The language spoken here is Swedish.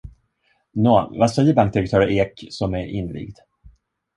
Nå, vad säger bankdirektör Ek som är invigd?